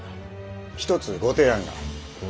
一つご提案が。